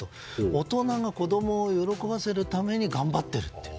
大人が子供を喜ばせるために頑張っているという。